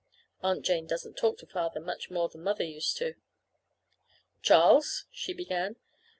(Aunt. Jane doesn't talk to Father much more than Mother used to.) "Charles," she began.